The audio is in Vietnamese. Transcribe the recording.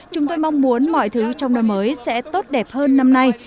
chúng tôi mong muốn mọi thứ trong năm mới sẽ tốt đẹp hơn năm nay